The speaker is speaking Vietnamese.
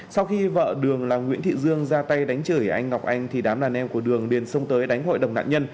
sau khi vợ đường là nguyễn thị dương ra tay đánh chửi anh ngọc anh thì đám đàn em của đường liền xông tới đánh hội đồng nạn nhân